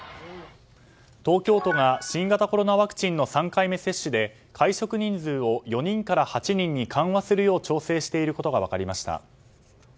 東京都が新型コロナワクチンの３回目接種で会食人数を４人から８人に緩和するよう調整していることが分かりました。